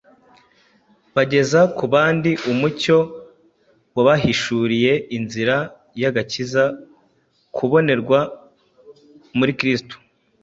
bageza ku bandi umucyo wabahishuriye inzira y’agakiza kabonerwa muri Kristo.